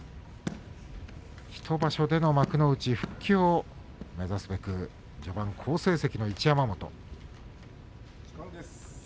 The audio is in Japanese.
１場所での幕内復帰を目指すべく好成績の一山本。